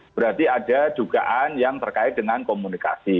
berarti ada dugaan yang terkait dengan komunikasi